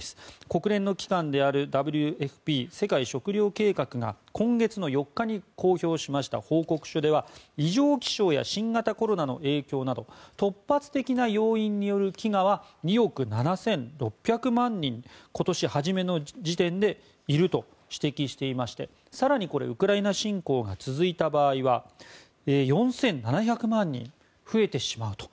国連の機関であるＷＦＰ・世界食糧計画が今月４日に公表しました報告書では異常気象や新型コロナの影響など突発的な要因による飢餓は２億７６００万人今年初めの時点でいると指摘していまして更にウクライナ侵攻が続いた場合は４７００万人増えてしまうと。